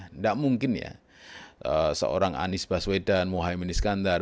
tidak mungkin ya seorang anies baswedan mohaimin iskandar